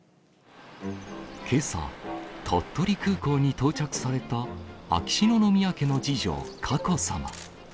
けさ、鳥取空港に到着された、秋篠宮家の次女、佳子さま。